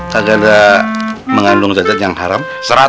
kagak ada mengandung zat zat yang haram